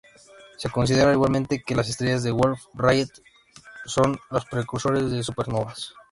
Se considera igualmente que las estrellas de Wolf-Rayet son las precursoras de supernovas.